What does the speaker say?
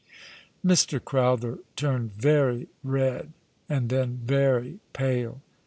Mr. Crowther turned very red, and then very pale.